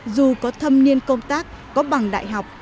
dù có thâm niên công tác có bằng đại học